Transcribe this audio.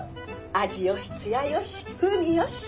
味よし艶よし風味よし。